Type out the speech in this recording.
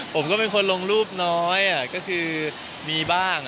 ผมก็เป็นคนลงรูปน้อยก็คือมีบ้าง